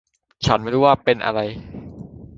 ฉันไม่รู้ว่าอะไรเป็นอะไร